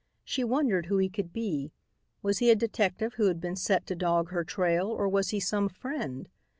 She wondered who he could be. Was he a detective who had been set to dog her trail or was he some friend?